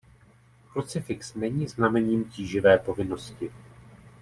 Krucifix není znamením tíživé povinnosti.